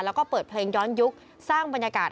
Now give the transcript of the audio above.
แล้วก็เปิดเพลงย้อนยุคสร้างบรรยากาศ